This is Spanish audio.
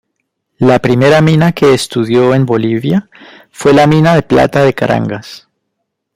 La primera mina que estudió en Bolivia fue la mina de plata de Carangas.